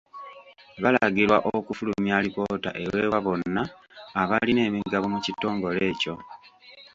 Balagirwa okufulumya alipoota eweebwa bonna abalina emigabo mu kitongole ekyo.